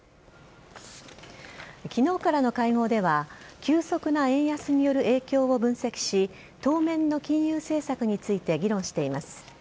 昨日からの会合では急速な円安による影響を分析し当面の金融政策について議論しています。